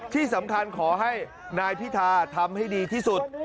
ที่สำคัญขอให้นายพิธาทำให้ดีที่สุด